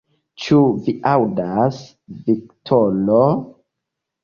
Ĉu vi aŭdas, Viktoro?